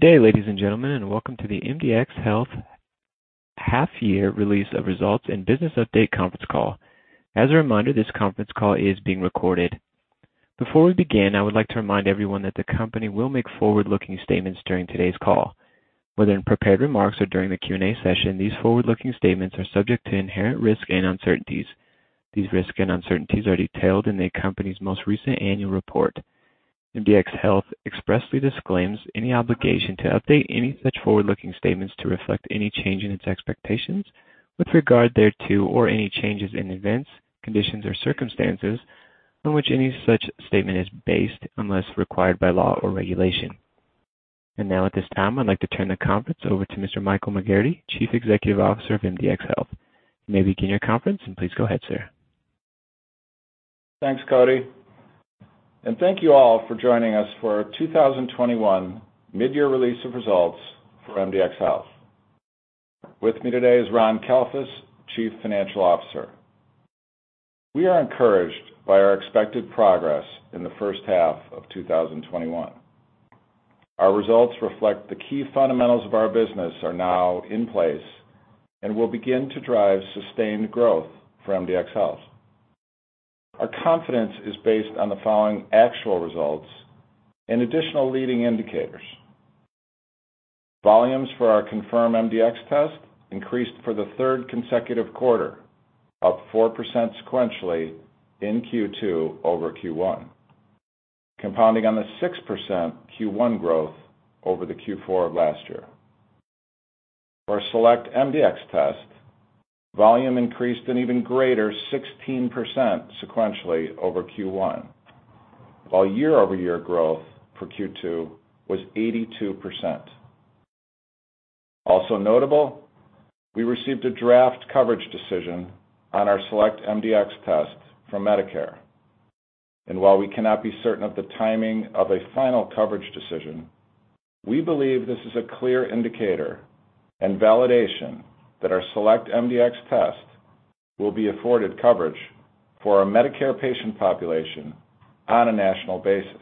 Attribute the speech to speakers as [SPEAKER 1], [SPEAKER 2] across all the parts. [SPEAKER 1] Good day, ladies and gentlemen, welcome to the MDxHealth half-year release of results and business update conference call. As a reminder, this conference call is being recorded. Before we begin, I would like to remind everyone that the company will make forward-looking statements during today's call. Whether in prepared remarks or during the Q&A session, these forward-looking statements are subject to inherent risks and uncertainties. These risks and uncertainties are detailed in the company's most recent annual report. MDxHealth expressly disclaims any obligation to update any such forward-looking statements to reflect any change in its expectations with regard thereto or any changes in events, conditions, or circumstances on which any such statement is based, unless required by law or regulation. Now, at this time, I'd like to turn the conference over to Mr. Michael K. McGarrity, Chief Executive Officer of MDxHealth. You may begin your conference, and please go ahead, sir.
[SPEAKER 2] Thanks, Cody. Thank you all for joining us for our 2021 mid-year release of results for MDxHealth. With me today is Ron Kalfus, Chief Financial Officer. We are encouraged by our expected progress in the first half of 2021. Our results reflect the key fundamentals of our business are now in place and will begin to drive sustained growth for MDxHealth. Our confidence is based on the following actual results and additional leading indicators. Volumes for our ConfirmMDx test increased for the third consecutive quarter, up 4% sequentially in Q2 over Q1, compounding on the 6% Q1 growth over the Q4 of last year. For our SelectMDx test, volume increased an even greater 16% sequentially over Q1, while year-over-year growth for Q2 was 82%. Also notable, we received a draft coverage decision on our SelectMDx test from Medicare. While we cannot be certain of the timing of a final coverage decision, we believe this is a clear indicator and validation that our SelectMDx test will be afforded coverage for our Medicare patient population on a national basis.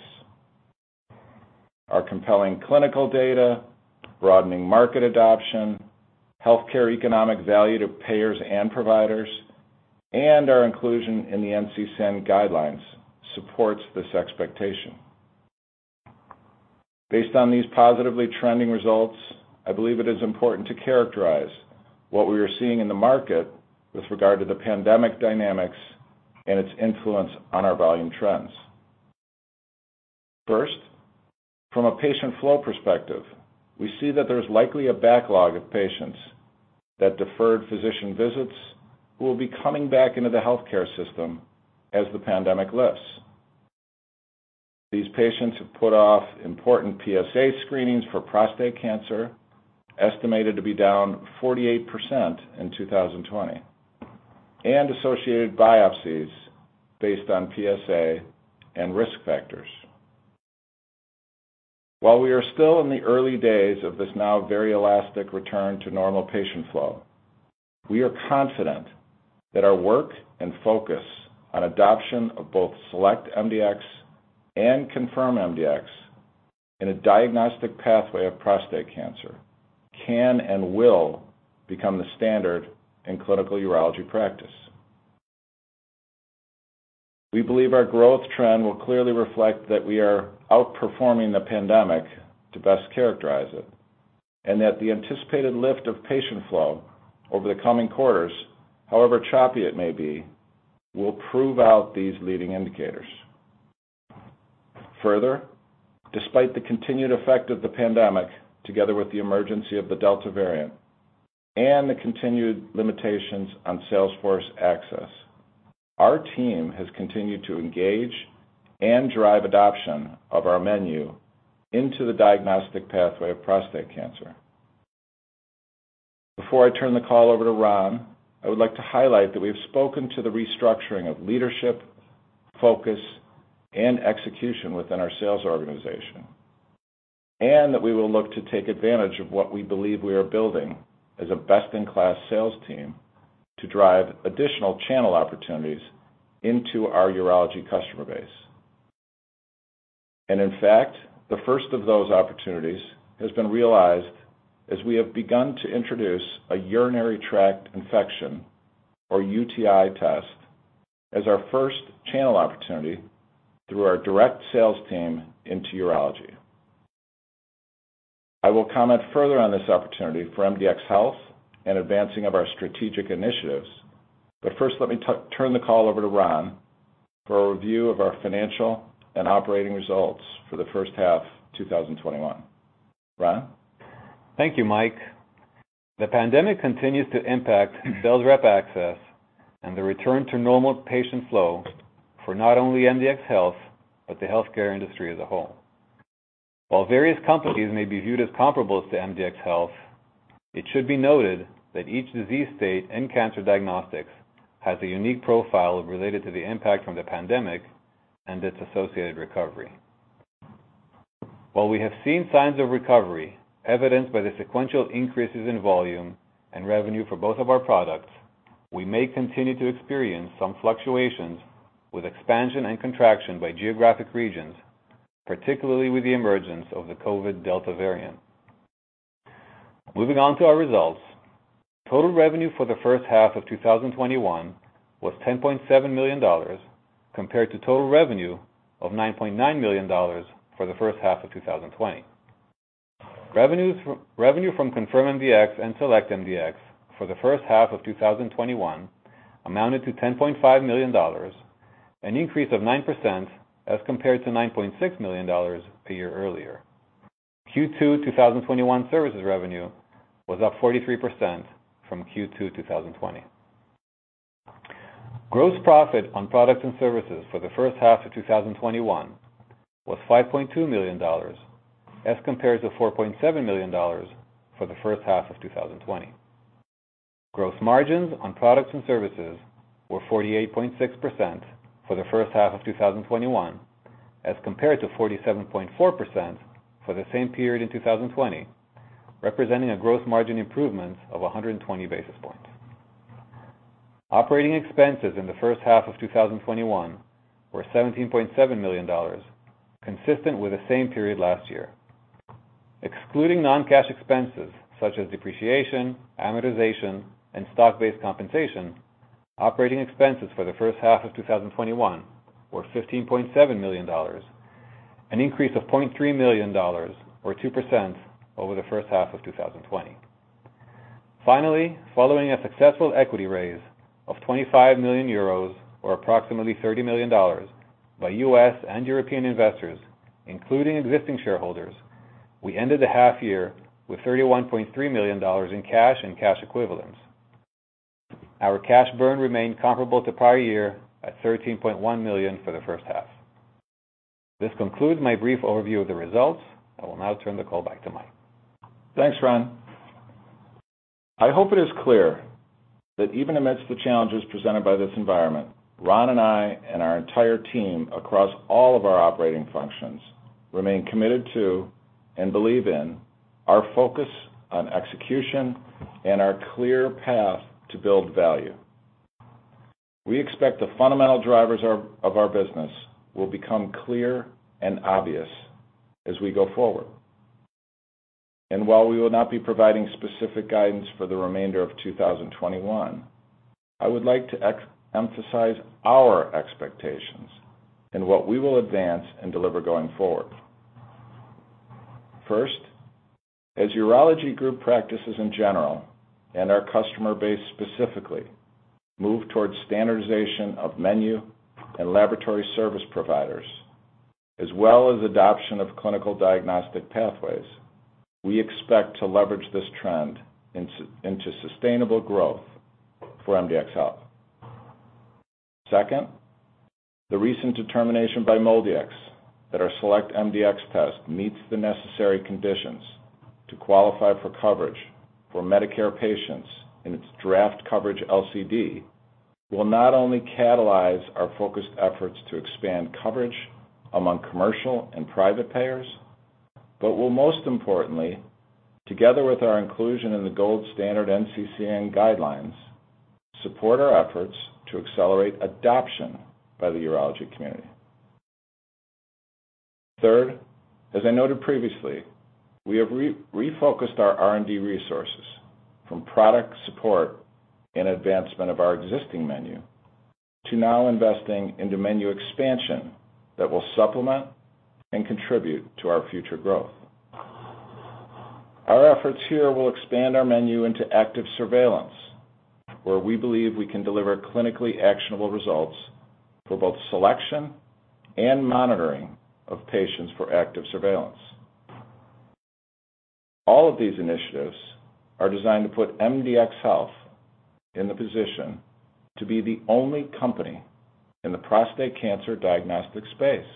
[SPEAKER 2] Our compelling clinical data, broadening market adoption, healthcare economic value to payers and providers, and our inclusion in the NCCN guidelines support this expectation. Based on these positively trending results, I believe it is important to characterize what we are seeing in the market with regard to the pandemic dynamics and its influence on our volume trends. First, from a patient flow perspective, we see that there's likely a backlog of patients that deferred physician visits who will be coming back into the healthcare system as the pandemic lifts. These patients have put off important PSA screenings for prostate cancer, estimated to be down 48% in 2020, and associated biopsies based on PSA and risk factors. While we are still in the early days of this now very elastic return to normal patient flow, we are confident that our work and focus on adoption of both SelectMDx and ConfirmMDx in a diagnostic pathway of prostate cancer can and will become the standard in clinical urology practice. We believe our growth trend will clearly reflect that we are outperforming the pandemic, to best characterize it, and that the anticipated lift of patient flow over the coming quarters, however choppy it may be, will prove out these leading indicators. Further, despite the continued effect of the pandemic, together with the emergence of the Delta variant and the continued limitations on sales force access, our team has continued to engage and drive adoption of our menu into the diagnostic pathway of prostate cancer. Before I turn the call over to Ron, I would like to highlight that we have spoken to the restructuring of leadership, focus, and execution within our sales organization, and we will look to take advantage of what we believe we are building as a best-in-class sales team to drive additional channel opportunities into our urology customer base. In fact, the first of those opportunities has been realized as we have begun to introduce a urinary tract infection, or UTI test, as our first channel opportunity through our direct sales team into urology. I will comment further on this opportunity for MDxHealth and the advancement of our strategic initiatives, but first let me turn the call over to Ron Kalfus for a review of our financial and operating results for the first half of 2021. Ron?
[SPEAKER 3] Thank you, Mike. The pandemic continues to impact sales rep access and the return to normal patient flow for not only MDxHealth but the healthcare industry as a whole. While various companies may be viewed as comparable to MDxHealth, it should be noted that each disease state in cancer diagnostics has a unique profile related to the impact from the pandemic and its associated recovery. While we have seen signs of recovery, evidenced by the sequential increases in volume and revenue for both of our products. We may continue to experience some fluctuations with expansion and contraction by geographic region, particularly with the emergence of the COVID Delta variant. Moving on to our results. Total revenue for the first half of 2021 was EUR 10.7 million, compared to total revenue of EUR 9.9 million for the first half of 2020. Revenue from ConfirmMDx and SelectMDx for the first half of 2021 amounted to EUR 10.5 million, an increase of 9% as compared to EUR 9.6 million a year earlier. Q2 2021 services revenue was up 43% from Q2 2020. Gross profit on products and services for the first half of 2021 was EUR 5.2 million as compared to EUR 4.7 million for the first half of 2020. Gross margins on products and services were 48.6% for the first half of 2021 as compared to 47.4% for the same period in 2020, representing a gross margin improvement of 120 basis points. Operating expenses in the first half of 2021 were EUR 17.7 million, consistent with the same period last year. Excluding non-cash expenses such as depreciation, amortization, and stock-based compensation, operating expenses for the first half of 2021 were EUR 15.7 million, an increase of EUR 0.3 million, or 2%, over the first half of 2020. Finally, following a successful equity raise of 25 million euros, or approximately $30 million, by U.S. and European investors, including existing shareholders, we ended the half year with $31.3 million in cash and cash equivalents. Our cash burn remained comparable to the prior year at 13.1 million for the first half. This concludes my brief overview of the results. I will now turn the call back to Mike.
[SPEAKER 2] Thanks, Ron. I hope it is clear that even amidst the challenges presented by this environment, Ron and I, and our entire team across all of our operating functions, remain committed to and believe in our focus on execution and our clear path to build value. We expect the fundamental drivers of our business will become clear and obvious as we go forward. While we will not be providing specific guidance for the remainder of 2021, I would like to emphasize our expectations and what we will advance and deliver going forward. First, as urology group practices in general, and our customer base specifically, move towards standardization of menu and laboratory service providers, as well as adoption of clinical diagnostic pathways, we expect to leverage this trend into sustainable growth for MDxHealth. Second, the recent determination by MolDX that our SelectMDx test meets the necessary conditions to qualify for coverage for Medicare patients in its draft coverage LCD will not only catalyze our focused efforts to expand coverage among commercial and private payers. Will, most importantly, together with our inclusion in the gold standard NCCN guidelines, support our efforts to accelerate adoption by the urology community? Third, as I noted previously, we have refocused our R&D resources from product support and advancement of our existing menu to now investing in menu expansion that will supplement and contribute to our future growth. Our efforts here will expand our menu into active surveillance, where we believe we can deliver clinically actionable results for both selection and monitoring of patients for active surveillance. All of these initiatives are designed to put MDxHealth in the position to be the only company in the prostate cancer diagnostic space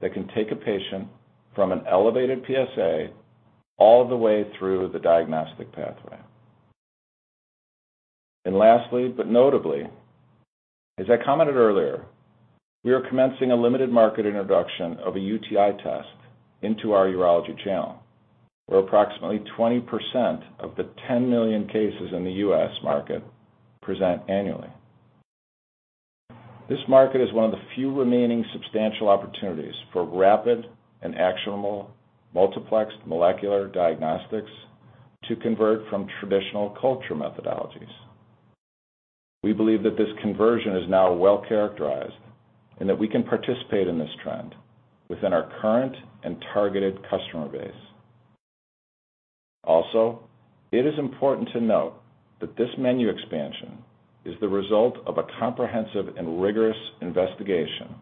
[SPEAKER 2] that can take a patient from an elevated PSA all the way through the diagnostic pathway. Lastly, but notably, as I commented earlier, we are commencing a limited market introduction of a UTI test into our urology channel, where approximately 20% of the 10 million cases in the U.S. market present annually. This market is one of the few remaining substantial opportunities for rapid and actionable multiplexed molecular diagnostics to convert from traditional culture methodologies. We believe that this conversion is now well characterized and that we can participate in this trend within our current and targeted customer base. It is important to note that this menu expansion is the result of a comprehensive and rigorous investigation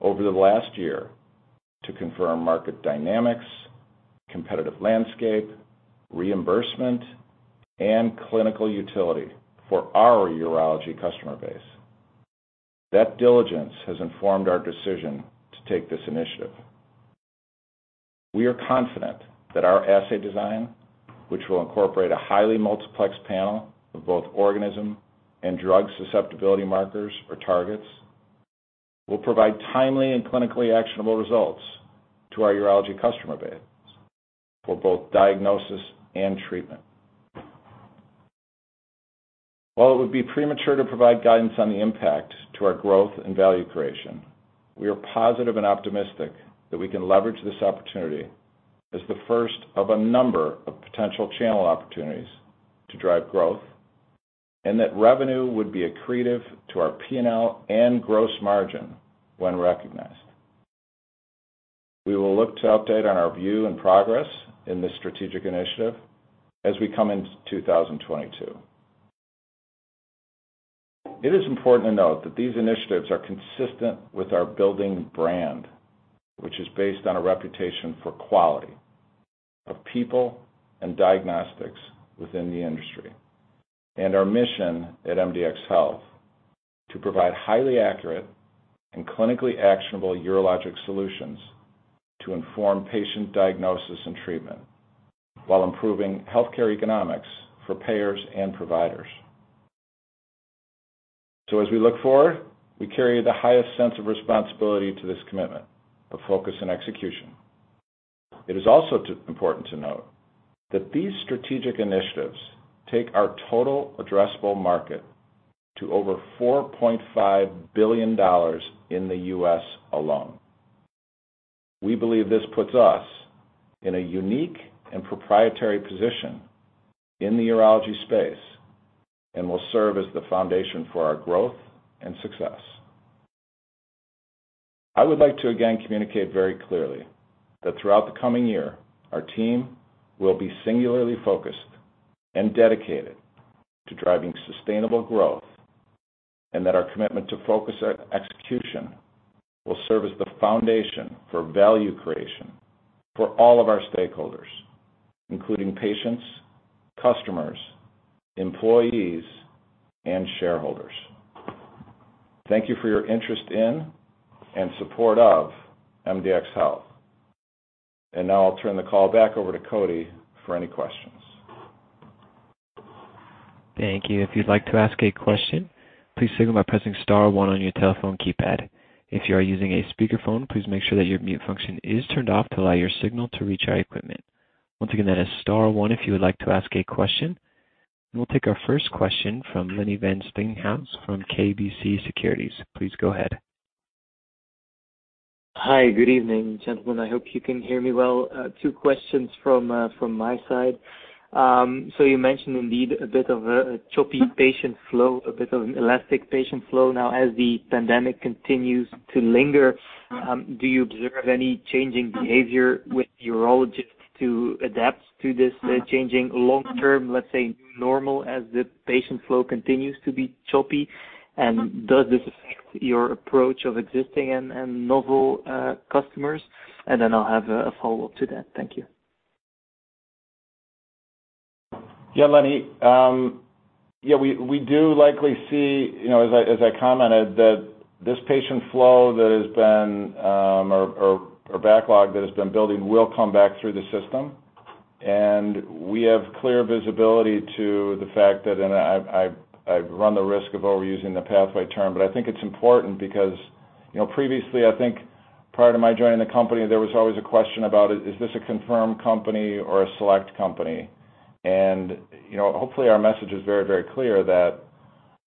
[SPEAKER 2] over the last year to confirm market dynamics, competitive landscape, reimbursement, and clinical utility for our urology customer base. That diligence has informed our decision to take this initiative. We are confident that our assay design, which will incorporate a highly multiplexed panel of both organism and drug susceptibility markers or targets, will provide timely and clinically actionable results to our urology customer base for both diagnosis and treatment. While it would be premature to provide guidance on the impact to our growth and value creation, we are positive and optimistic that we can leverage this opportunity as the first of a number of potential channel opportunities to drive growth, and that revenue would be accretive to our P&L and gross margin when recognized. We will look to update our view and progress in this strategic initiative as we come into 2022. It is important to note that these initiatives are consistent with our building brand, which is based on a reputation for quality of people and diagnostics within the industry, and our mission at MDxHealth to provide highly accurate and clinically actionable urologic solutions to inform patient diagnosis and treatment while improving healthcare economics for payers and providers. As we look forward, we carry the highest sense of responsibility to this commitment of focus and execution. It is also important to note that these strategic initiatives take our total addressable market to over $4.5 billion in the U.S. alone. We believe this puts us in a unique and proprietary position in the urology space and will serve as the foundation for our growth and success. I would like to again communicate very clearly that throughout the coming year, our team will be singularly focused and dedicated to driving sustainable growth and that our commitment to focused execution will serve as the foundation for value creation for all of our stakeholders, including patients, customers, employees, and shareholders. Thank you for your interest in and support of MDxHealth. Now I'll turn the call back over to Cody for any questions.
[SPEAKER 1] Thank you. If you'd like to ask a question, please signal by pressing star one on your telephone keypad. If you are using a speakerphone, please make sure that your mute function is turned off to allow your signal to reach our equipment. Once again, that is star one if you would like to ask a question. We'll take our first question from Lenny Van Steenhuyse from KBC Securities. Please go ahead.
[SPEAKER 4] Hi. Good evening, gentlemen. I hope you can hear me well. Two questions from my side. You mentioned, indeed, a bit of a choppy patient flow, a bit of an elastic patient flow. Now, as the pandemic continues to linger, do you observe any changing behavior with urologists to adapt to this changing long-term, let's say, new normal as the patient flow continues to be choppy? Does this affect your approach to existing and novel customers? I'll have a follow-up to that. Thank you.
[SPEAKER 2] Yeah, Lenny. We do likely see, as I commented, that this patient flow that has been or backlog that has been building will come back through the system, and we have clear visibility to the fact that—and I run the risk of overusing the pathway term, but I think it's important because previously, I think prior to my joining the company, there was always a question about, is this a Confirm company or a Select company? Hopefully our message is very clear that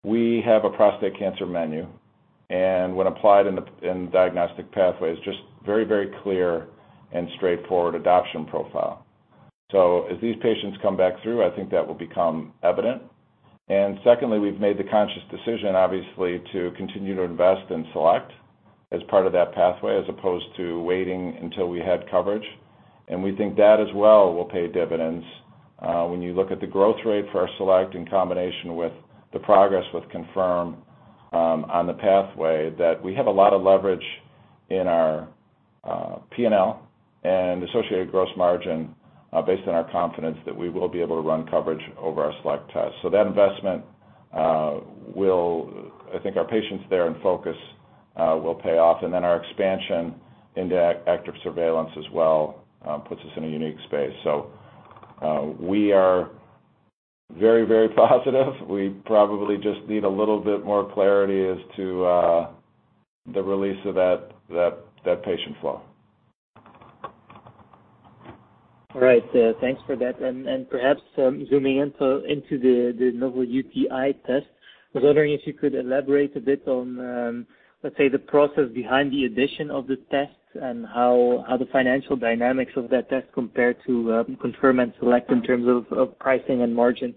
[SPEAKER 2] we have a prostate cancer menu and, when applied in the diagnostic pathways, just a very clear and straightforward adoption profile. As these patients come back through, I think that will become evident. Secondly, we've made the conscious decision, obviously, to continue to invest in Select as part of that pathway, as opposed to waiting until we have coverage. We think that as well will pay dividends. When you look at the growth rate for our Select in combination with the progress with Confirm on the pathway, we have a lot of leverage in our P&L and associated gross margin based on our confidence that we will be able to run coverage over our Select test. That investment, I think, in our patients there and focus will pay off. Our expansion into active surveillance as well puts us in a unique space. We are very positive. We probably just need a little bit more clarity as to the release of that patient flow.
[SPEAKER 4] All right. Thanks for that. Perhaps zooming into the novel UTI test, I was wondering if you could elaborate a bit on, let's say, the process behind the addition of the test and how the financial dynamics of that test compare to Confirm and Select in terms of pricing and margin?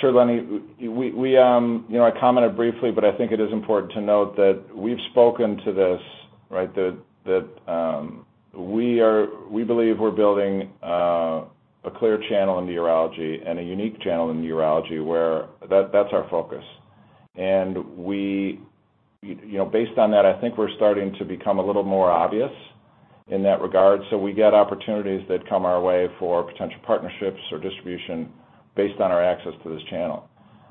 [SPEAKER 2] Sure, Lenny. I commented briefly, but I think it is important to note that we've spoken to this, that we believe we're building a clear channel in the urology and a unique channel in the urology where that's our focus. Based on that, I think we're starting to become a little more obvious in that regard. We get opportunities that come our way for potential partnerships or distribution based on our access to this channel.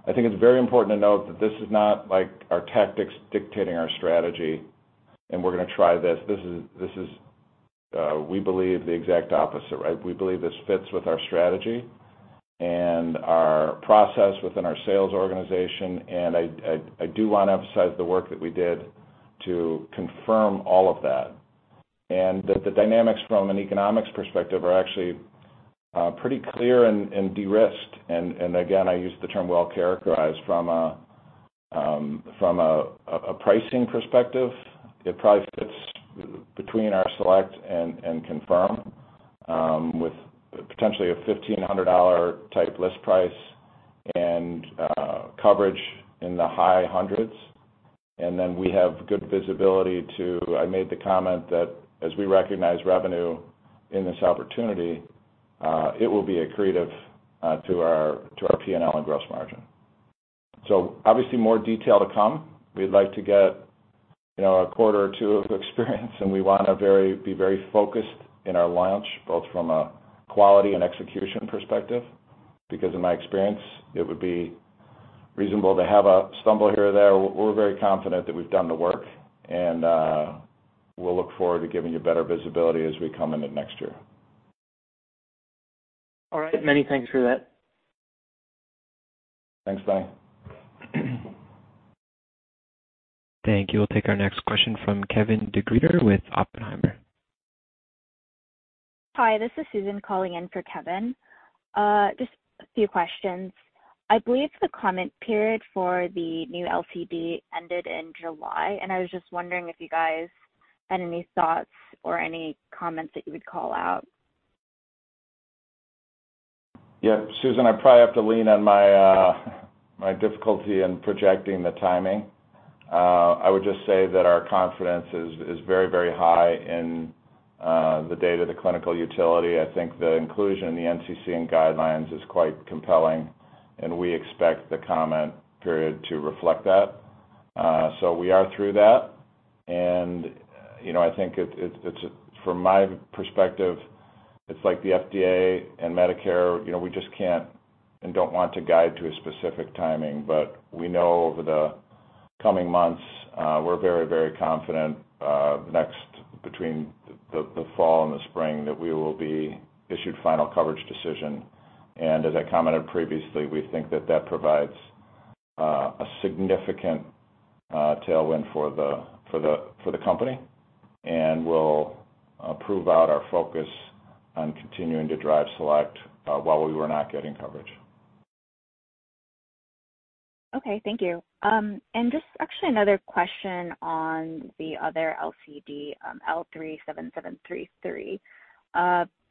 [SPEAKER 2] I think it's very important to note that this is not like our tactics dictating our strategy, and we're going to try this. This is. We believe the exact opposite, right? We believe this fits with our strategy and our process within our sales organization, and I do want to emphasize the work that we did to confirm all of that. The dynamics from an economics perspective are actually pretty clear and de-risked. Again, I use the term well-characterized from a pricing perspective. It probably fits between our SelectMDx and ConfirmMDx, with potentially a EUR 1,500 type list price and coverage in the high hundreds. Then we have good visibility. I made the comment that as we recognize revenue in this opportunity, it will be accretive to our P&L and gross margin. Obviously, more detail is to come. We'd like to get a quarter or two of experience, and we want to be very focused in our launch, both from a quality and execution perspective, because in my experience, it would be reasonable to have a stumble here or there. We're very confident that we've done the work, and we'll look forward to giving you better visibility as we come into next year.
[SPEAKER 4] All right. Many thanks for that.
[SPEAKER 2] Thanks. Bye.
[SPEAKER 1] Thank you. We'll take our next question from Kevin DeGeeter with Oppenheimer.
[SPEAKER 5] Hi, this is Susan calling in for Kevin. Just a few questions. I believe the comment period for the new LCD ended in July. I was just wondering if you guys had any thoughts or any comments that you would call out.
[SPEAKER 2] Susan, I probably have to lean on my difficulty in projecting the timing. I would just say that our confidence is very high in the data, the clinical utility. I think the inclusion in the NCCN guidelines is quite compelling, and we expect the comment period to reflect that. We are through that, and I think from my perspective, it's like the FDA and Medicare, we just can't and don't want to guide to a specific timing. We know over the coming months, we're very confident, between the fall and the spring, that we will be issued a final coverage decision. As I commented previously, we think that that provides a significant tailwind for the company and will prove out our focus on continuing to drive Select while we were not getting coverage.
[SPEAKER 5] Okay. Thank you. Just actually another question on the other LCD, L37733.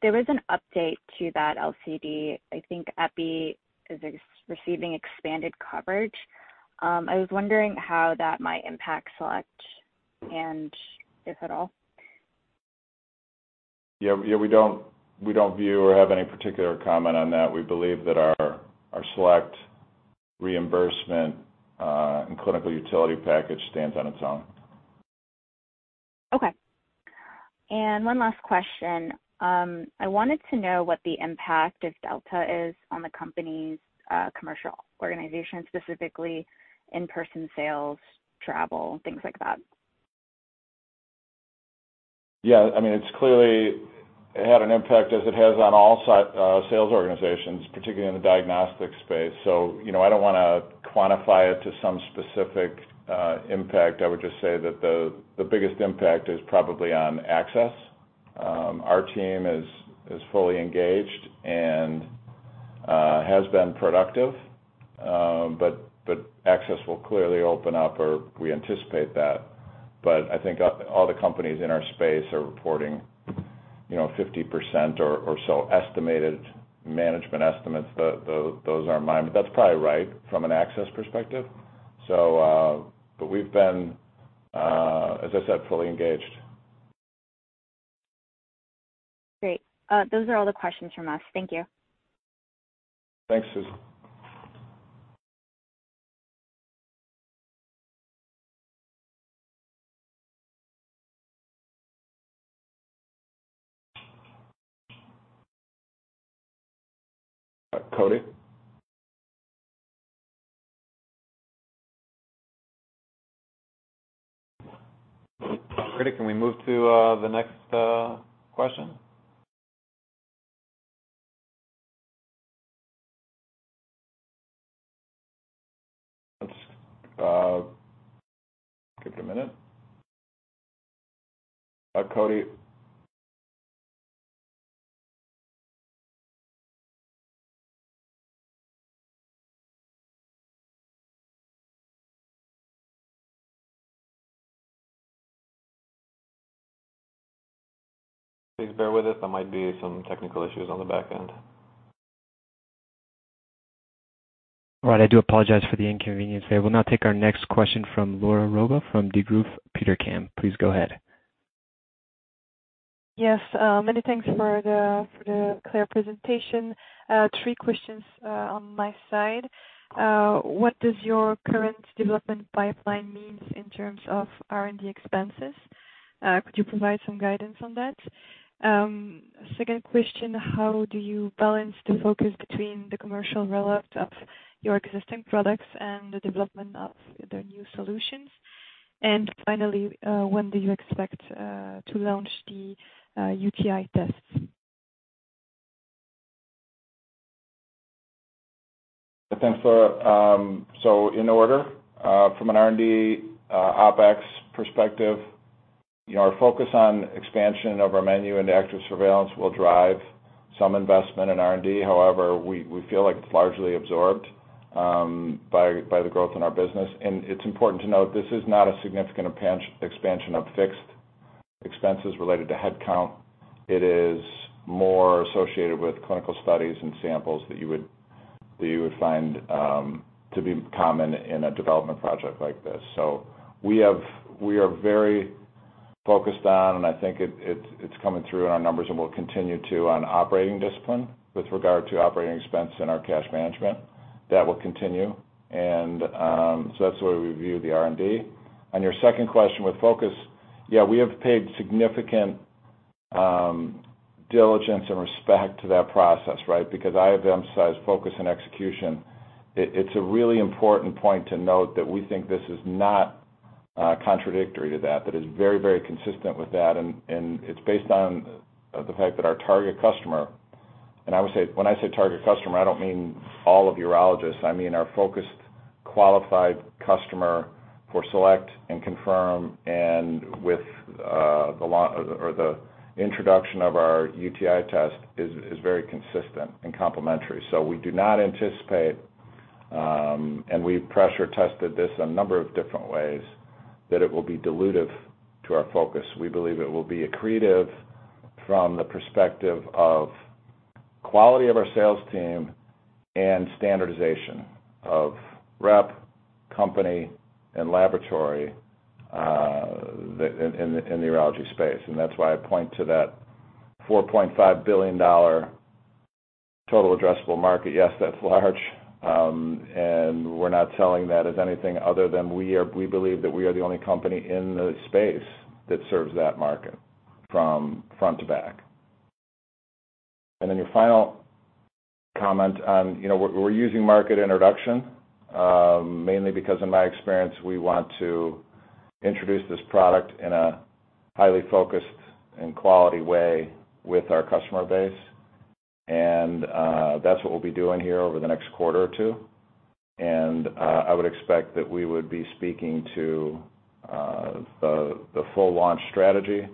[SPEAKER 5] There was an update to that LCD, I think EPI is receiving expanded coverage. I was wondering how that might impact Select and if at all.
[SPEAKER 2] Yeah. We don't view or have any particular comment on that. We believe that our Select reimbursement and clinical utility package stands on its own.
[SPEAKER 5] Okay. One last question. I wanted to know what the impact of Delta is on the company's commercial organization, specifically in-person sales, travel, and things like that.
[SPEAKER 2] Yeah. It's clearly had an impact, as it has on all sales organizations, particularly in the diagnostic space. I don't want to quantify it to some specific impact. I would just say that the biggest impact is probably on access. Our team is fully engaged and has been productive. Access will clearly open up, or we anticipate that. I think all the companies in our space are reporting 50% or so estimated management estimates. Those are minor. That's probably right from an access perspective. We've been, as I said, fully engaged.
[SPEAKER 5] Great. Those are all the questions from us. Thank you.
[SPEAKER 2] Thanks, Susan. Cody? Cody, can we move to the next question? Let's give it a minute. Cody?
[SPEAKER 1] [inaudible] There might be some technical issues on the back end. All right. I do apologize for the inconvenience there. We will now take our next question from Laura Roba, from Degroof Petercam. Please go ahead.
[SPEAKER 6] Yes. Many thanks for the clear presentation. Three questions on my side. What does your current development pipeline mean in terms of R&D expenses? Could you provide some guidance on that? Second question: how do you balance the focus between the commercial rollout of your existing products and the development of the new solutions? Finally, when do you expect to launch the UTI tests?
[SPEAKER 2] Thanks, Laura. In order, from an R&D, OpEx perspective, our focus on the expansion of our menu into active surveillance will drive some investment in R&D. However, we feel like it's largely absorbed by the growth in our business. It's important to note this is not a significant expansion of fixed expenses related to headcount. It is more associated with clinical studies and samples that you would find to be common in a development project like this. We are very focused on, and I think it's coming through in our numbers and will continue to, on operating discipline with regard to operating expense and our cash management. That will continue. That's the way we view the R&D. On your second question with focus, we have paid significant diligence and respect to that process, right? Because I have emphasized focus and execution. It's a really important point to note that we think this is not contradictory to that; it's very, very consistent with that. It's based on the fact that our target customer—and when I say target customer, I don't mean all of urologists, I mean our focused, qualified customer for SelectMDx and ConfirmMDx—and with the introduction of our UTI test, is very consistent and complementary. We do not anticipate, and we've pressure tested this a number of different ways, that it will be dilutive to our focus. We believe it will be accretive from the perspective of the quality of our sales team and the standardization of the rep, company, and laboratory in the urology space. That's why I point to that EUR 4.5 billion total addressable market. Yes, that's large, and we're not selling that as anything other than we believe that we are the only company in the space that serves that market from front to back. Your final comment on this is that we're using market introduction, mainly because in my experience, we want to introduce this product in a highly focused and quality way with our customer base. That's what we'll be doing here over the next quarter or two. I would expect that we would be speaking to the full launch strategy,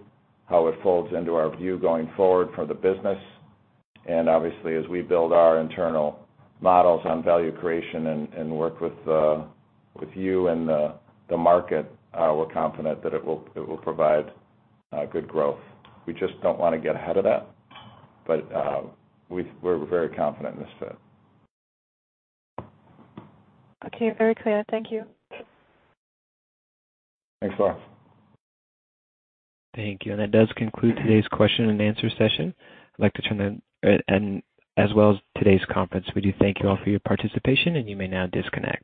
[SPEAKER 2] how it folds into our view going forward for the business. Obviously, as we build our internal models on value creation and work with you and the market, we're confident that it will provide good growth. We just don't want to get ahead of that. We're very confident in this fit.
[SPEAKER 6] Okay. Very clear. Thank you.
[SPEAKER 2] Thanks, Laura.
[SPEAKER 1] Thank you. That does conclude today's question and answer session. I'd like to turn to And, as well as today's conference, we do thank you all for your participation, and you may now disconnect.